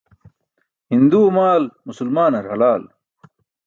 Hinduwe maal musulmaanar halal.